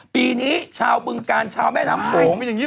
ปีนี้ชาวบึงการชาวแม่น้ำโขง